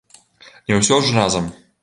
Не ўсё ж разам.